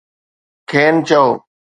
کين چئو.